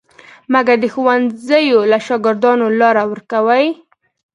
مګر د ښوونځیو له شاګردانو لاره ورکوي.